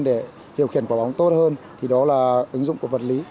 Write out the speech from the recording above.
để điều khiển quả bóng tốt hơn thì đó là ứng dụng của vật lý